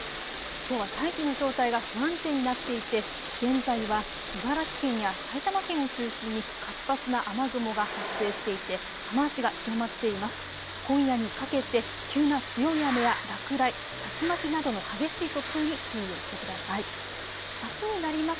きょうは大気の状態が不安定になっていて現在は茨城県や埼玉県を中心に活発な雨雲が発生していて雨足が強まっています。